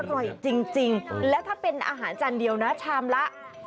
อร่อยจริงแล้วถ้าเป็นอาหารจานเดียวนะชามละ